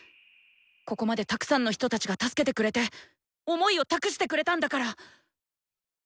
ここまでたくさんの人たちが助けてくれて想いを託してくれたんだから。